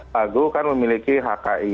lagu kan memiliki hki